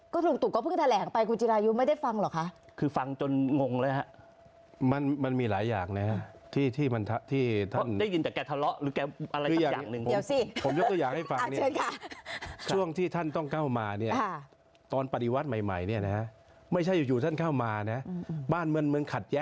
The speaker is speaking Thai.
ก็ลุงตู่ก็เพิ่งแถลงไปกูจิรายุไม่ได้ฟังหรอกคะ